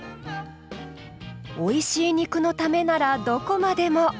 おいしい肉のためならどこまでも。